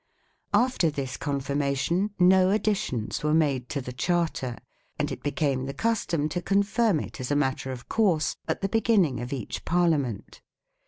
After this confirmation no additions were made to the Charter, and it became the custom to confirm it as a matter of course at the beginning of each Parliament.